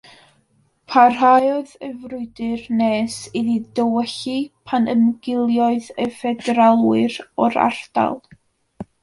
Parhaodd y frwydr nes iddi dywyllu, pan ymgiliodd y Ffederalwyr o'r ardal.